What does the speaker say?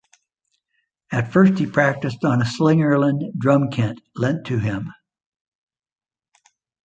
At first he practiced on a Slingerland drum kit lent to him.